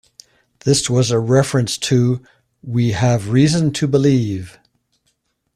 This was a reference to "We Have Reason to Believe".